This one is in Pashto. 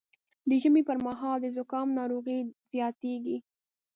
د ژمي پر مهال د زکام ناروغي زیاتېږي